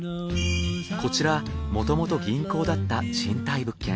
こちらもともと銀行だった賃貸物件。